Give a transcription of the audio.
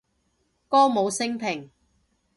歌舞昇平